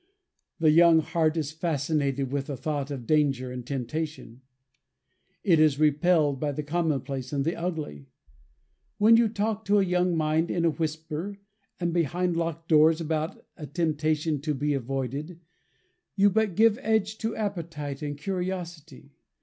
The young heart is fascinated with the thought of danger and temptation. It is repelled by the commonplace and the ugly. When you talk to a young mind in a whisper and behind locked doors about a temptation to be avoided, you but give edge to appetite and curiosity.